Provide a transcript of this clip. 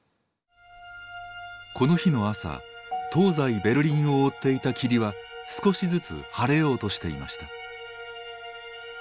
この日の朝東西ベルリンを覆っていた霧は少しずつ晴れようとしていました。